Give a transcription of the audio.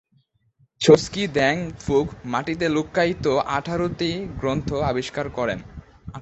ছোস-ক্যি-দ্বাং-ফ্যুগ মাটিতে লুক্কায়িত আঠারোটি গ্রন্থ আবিষ্কার করেন।